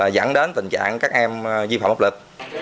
dẫn đến tình trạng các em vi phạm pháp lực